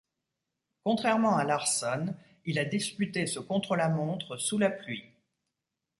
Contrairement à Larsson, il a disputé ce contre-la-montre sous la pluie.